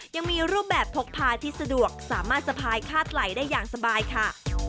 ยังมีรูปแบบพกพาที่สะดวกสามารถสะพายคาดไหลได้อย่างสบายค่ะ